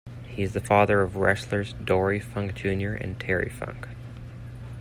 He is the father of wrestlers Dory Funk Junior and Terry Funk.